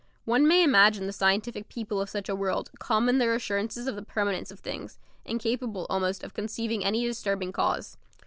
One may imagine the scientific people of such a world, calm in their assurance of the permanence of things, incapable almost of conceiving any disturbing cause.